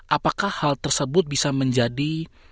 apakah hal tersebut bisa menjadi